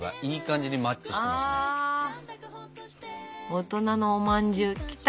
大人のおまんじゅう来た。